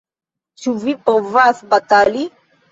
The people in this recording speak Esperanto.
Ĉu vi povas batali?